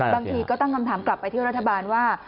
บางทีก็ตั้งคำถามกลับไปที่รัฐบาลว่า